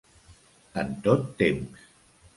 En tot temps.